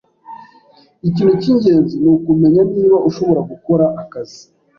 Ikintu cyingenzi nukumenya niba ushobora gukora akazi.